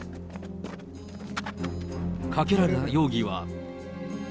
かけられた容疑は。